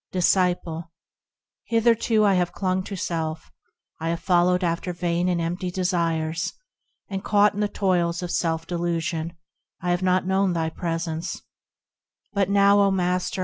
Disciple. Hitherto I have clung to self ; I have followed after vain and empty desires ; And caught in the toils of self delusion, I have not known thy presence; But now, O Master!